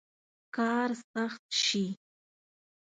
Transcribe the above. کار سخت شي.